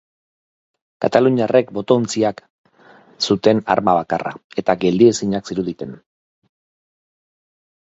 Kataluniarrek boto-ontziak zuten arma bakarra eta geldiezinak ziruditen.